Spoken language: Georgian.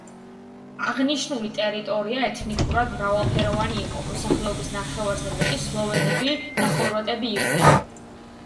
აღნიშნული ტერიტორია ეთნიკურად მრავალფეროვანი იყო, მოსახლეობის ნახევარზე მეტი სლოვენები და ხორვატები იყვნენ.